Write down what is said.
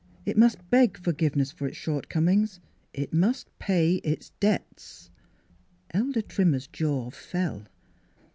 It must beg forgiveness for its shortcomings. It must pay its debts." Elder Trimmer's jaw fell.